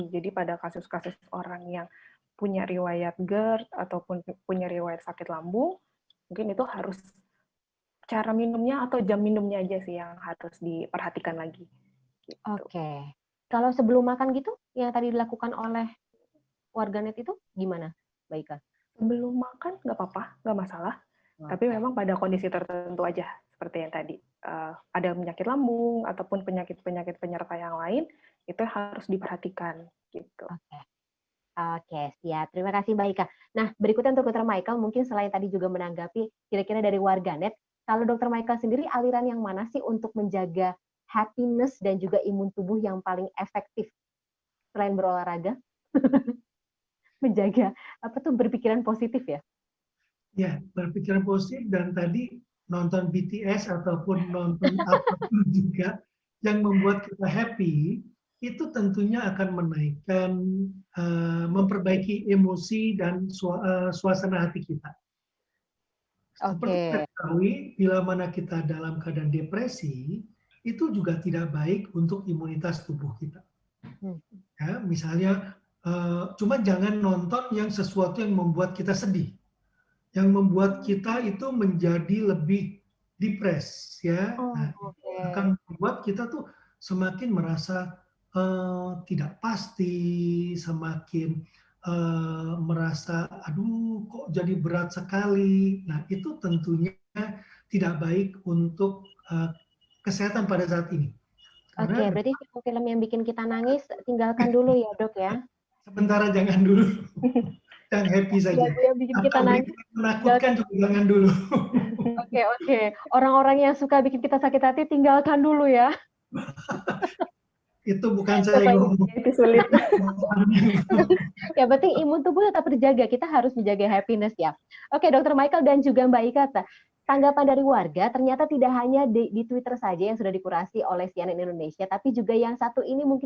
jadi pada kasus kasus orang yang punya riwayat gerd atau punya riwayat sakit lambung mungkin itu harus cara minumnya atau jam minumnya aja sih yang harus diperhatikan lagi